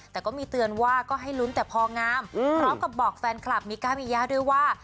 แต่ก็มีเตือนว่าก็ให้ลุ้นแต่พองามพร้อมกับบอกแฟนคลับมิก้ามีย่าด้วยว่า